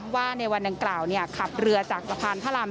ว่าในวันดังกล่าวขับเรือจากสะพานพระราม